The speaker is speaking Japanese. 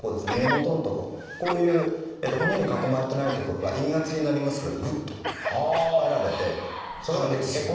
こういう骨に囲まれてない所は陰圧になりますからグッとこう引っ張られて陥没する。